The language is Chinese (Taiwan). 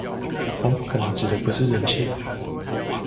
紅可能指的不是人氣